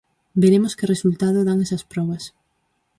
Veremos que resultado dan esas probas.